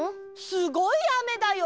すごいあめだよ！